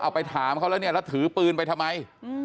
ไปถามเขาแล้วเนี่ยแล้วถือปืนไปทำไม